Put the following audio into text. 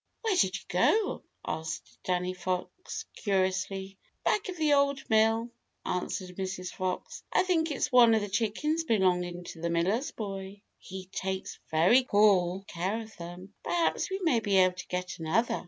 "Where did you go?" asked Danny Fox, curiously. "Back of the Old Mill," answered Mrs. Fox. "I think it's one of the chickens belonging to the Miller's Boy. He takes very poor care of them. Perhaps we may be able to get another."